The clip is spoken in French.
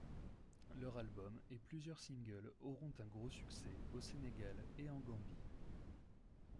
Leur album et plusieurs single auront un gros succès au Sénégal et en Gambie.